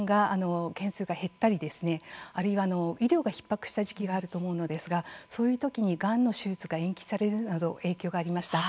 件数が減ったりあるいは医療がひっ迫した時期があると思うのですがそういうときにがんの手術が延期されるなどの影響がありました。